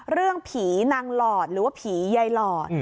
เรื่องผีนางหลอดหรือว่าผีใยหลอด